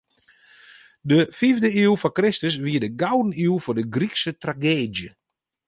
De fiifde iuw foar Kristus wie de gouden iuw foar de Grykske trageedzje.